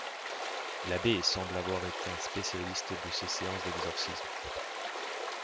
L'abbé semble avoir été un spécialiste de ces séances d'exorcisme.